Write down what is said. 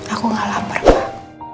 aku nggak lapar pak